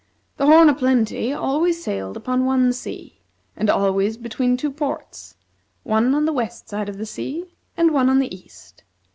The "Horn o' Plenty" always sailed upon one sea, and always between two ports, one on the west side of the sea, and one on the east.